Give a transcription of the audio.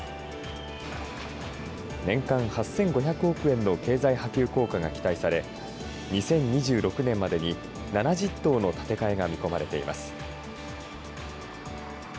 年間８５００億円の経済波及効果が期待され、２０２６年までに７０棟の建て替えが見込まれています。